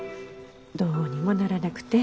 どうにもならなくて。